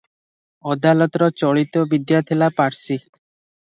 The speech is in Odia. ଅଦାଲତର ଚଳିତ ବିଦ୍ୟା ଥିଲା ପାର୍ସି ।